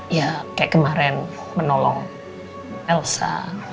ya kayak kemarin menolong elsa